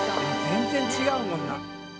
「全然違うもんな」